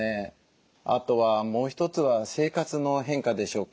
あとはもう一つは生活の変化でしょうか。